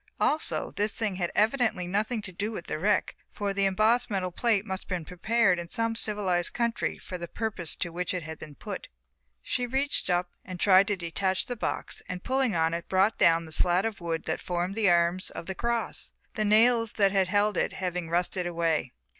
Also, this thing had evidently nothing to do with the wreck, for the embossed metal plate must have been prepared in some civilized country for the purpose to which it had been put. She reached up and tried to detach the box and pulling on it brought down the slat of wood that formed the arms of the cross, the nails that had held it having rusted away.